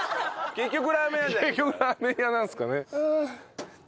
結局ラーメン屋なんですかね。